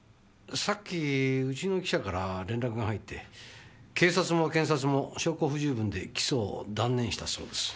さっきうちの記者から連絡が入って警察も検察も証拠不十分で起訴を断念したそうです。